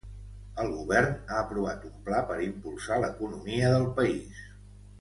El govern ha aprovat un pla per impulsar l'economia del país.